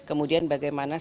kemudian bagaimana sebetulnya